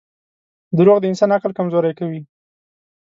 • دروغ د انسان عقل کمزوری کوي.